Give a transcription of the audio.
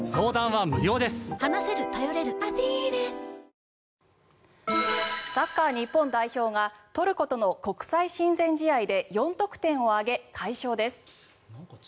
わぁサッカー日本代表がトルコとの国際親善試合で４得点を挙げ、快勝です。